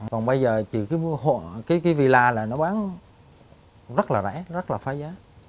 còn bây giờ chỉ cái villa là nó bán rất là rẻ rất là phá giá